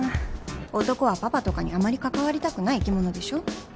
男はパパとかにあまり関わりたくない生き物でしょ？